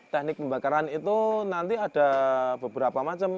teknik pembakaran itu nanti ada beberapa macam